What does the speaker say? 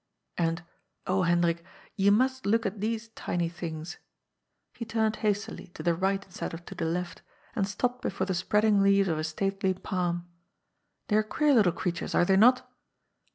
And, oh, Hendrik, you must look at these tiny things "— he turned hastily, to the right instead of to the left, and stopped before the spreading leaves of a stately palm. " They are queer little creatures, are they not?